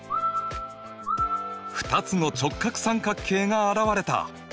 ２つの直角三角形が現れた！